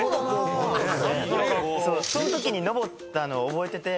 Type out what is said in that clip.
そのときに登ったのを覚えてて。